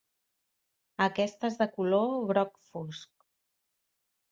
Aquesta és de color groc fosc.